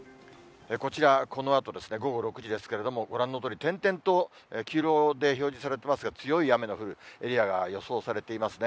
こちら、このあと、午後６時ですけれども、ご覧のとおり、点々と黄色で表示されていますが、強い雨の降るエリアが予想されていますね。